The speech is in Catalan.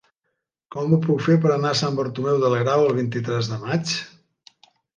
Com ho puc fer per anar a Sant Bartomeu del Grau el vint-i-tres de maig?